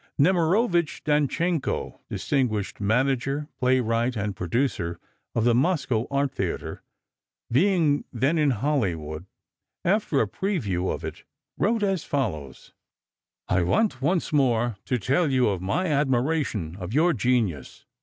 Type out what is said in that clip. Nemirovitch Dantchenko, distinguished manager, playwright and producer, of the Moscow Art Theatre, being then in Hollywood, after a preview of it, wrote as follows: I want once more to tell you of my admiration of your genius.